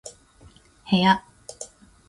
部屋